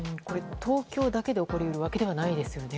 東京だけで起こるわけではないですよね。